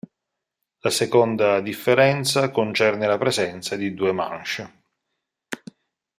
La seconda differenza concerne la presenza di due manche.